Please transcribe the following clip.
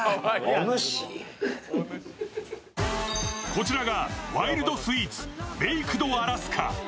こちらがワイルドスイーツ、ベイクド・アラスカ。